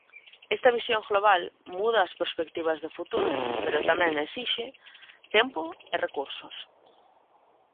Esta visión global muda as perspectivas de futuro, pero tamén exixe tempo e recursos.